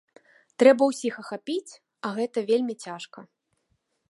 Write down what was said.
Трэба ўсіх ахапіць, а гэта вельмі цяжка.